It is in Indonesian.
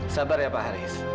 sabar ya pak haris